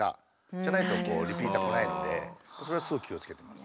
じゃないとリピーター来ないのでそれはすごい気をつけてます。